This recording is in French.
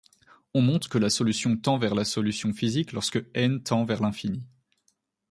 On montre que la solution tend vers la solution physique lorsque N →∞.